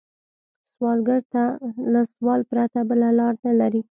سوالګر له سوال پرته بله لار نه لري